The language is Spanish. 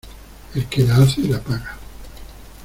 El que la hace la paga.